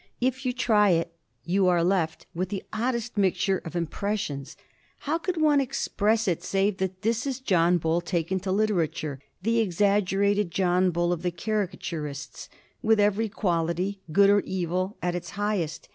If you try it you are left with the oddest mixture of impressions. How could one express it save that this is John Bull taken to literature—the exaggerated John Bull of the caricaturists—with every quality, good or evil, at its highest?